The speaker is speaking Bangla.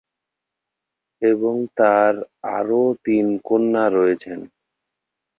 এবং তার আরও তিন কন্যা রয়েছেন।